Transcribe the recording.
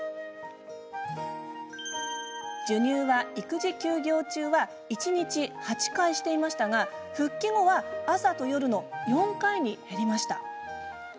授乳は、育児休業中は一日８回していましたが復帰後は朝と夜の４回に減りました。